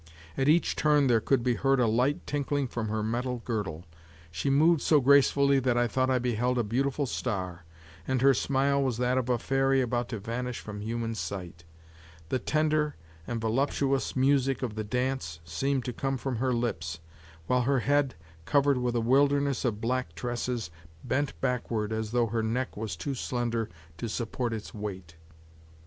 At each turn there could be heard a light tinkling from her metal girdle; she moved so gracefully that I thought I beheld a beautiful star, and her smile was that of a fairy about to vanish from human sight. The tender and voluptuous music of the dance seemed to come from her lips, while her head, covered with a wilderness of black tresses, bent backward as though her neck was too slender to support its weight.